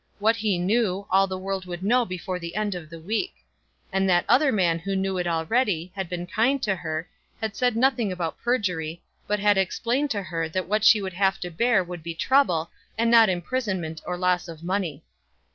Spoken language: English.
What he knew, all the world would know before the end of the week. And that other man who knew it already, had been kind to her, had said nothing about perjury, but had explained to her that what she would have to bear would be trouble, and not imprisonment and loss of money.